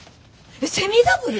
えっセミダブル！？